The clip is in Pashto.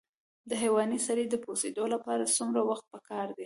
د حیواني سرې د پوسیدو لپاره څومره وخت پکار دی؟